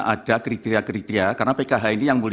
ada kriteria kriteria karena pkh ini yang boleh